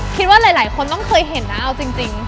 คิดว่าหลายคนต้องเคยเห็นนะเอาจริง